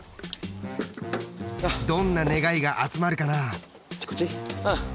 どんな願いが集まるかな？